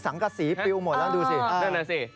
สังกะสีปิวหมดแล้วดูซิ